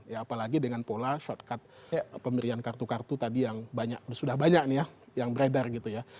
ya apalagi dengan pola shortcut pemberian kartu kartu tadi yang sudah banyak nih ya yang beredar gitu ya